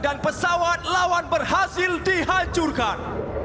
dan pesawat lawan berhasil dihancurkan